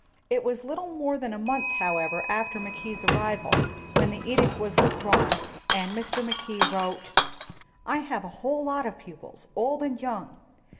It was little more than a month, however, after Mackay's arrival when the edict was withdrawn, and Mr. Mackay wrote: "I have a whole lot of pupils, old and young.